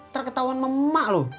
terketauan sama mbak loh